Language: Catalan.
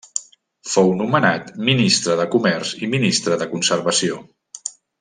Fou nomenat Ministre de Comerç i Ministre de Conservació.